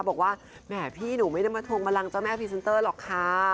บอกว่าแหมพี่หนูไม่ได้มาทวงบรังเจ้าแม่พรีเซนเตอร์หรอกค่ะ